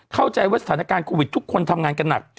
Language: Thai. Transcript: เข้าใจว่าสถานการณ์โควิดทุกคนทำงานกันหนัก